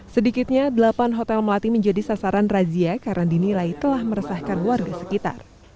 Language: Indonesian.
sedikitnya delapan hotel melati menjadi sasaran razia karena dinilai telah meresahkan warga sekitar